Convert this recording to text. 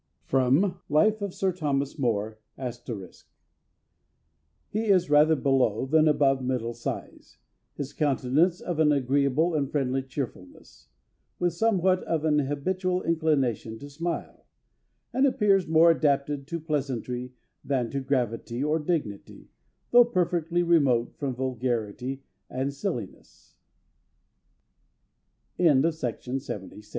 [Sidenote: Life of Sir Thomas More. *] "He is rather below than above the middle size; his countenance of an agreeable and friendly cheerfulness, with somewhat of an habitual inclination to smile; and appears more adapted to pleasantry than to gravity or dignity, though perfectly remote from vulgarity or